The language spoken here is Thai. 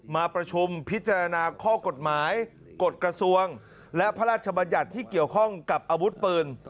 มาประชุมพิจารณาข้อกฎหมายกฎกระทรวงและพระราชบัญญัติที่เกี่ยวข้องกับอาวุธปืน